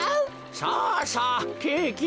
さあさあケーキ